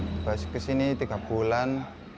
dikasih ke sini tiga bulan